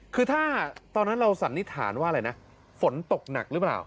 คือถ้าตอนนั้นเราสันนิษฐานว่าอะไรนะฝนตกหนักหรือเปล่า